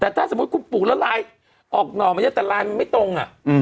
แต่ถ้าสมมุติคุณปลูกแล้วลายออกหน่อมาเยอะแต่ลายมันไม่ตรง